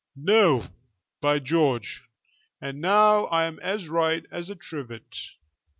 "No, by George! And now I'm as right as a trivet.